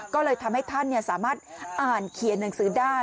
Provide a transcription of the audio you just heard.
ก็เลยทำให้ท่านสามารถอ่านเขียนหนังสือได้